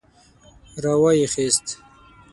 را وايي خيست.